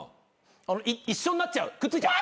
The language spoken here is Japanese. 一緒になっちゃうくっついちゃう。